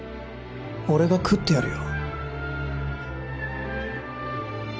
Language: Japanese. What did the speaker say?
俺が喰ってやるよ